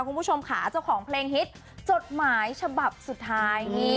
คุณผู้ชมค่ะเจ้าของเพลงฮิตจดหมายฉบับสุดท้ายนี่